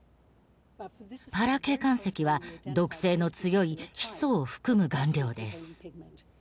パラ鶏冠石は毒性の強いヒ素を含む顔料です。